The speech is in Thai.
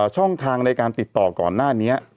ช่องทางในการติดต่อก่อนหน้านี้